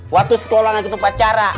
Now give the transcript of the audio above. waktu sekolah nanti ketemu pacara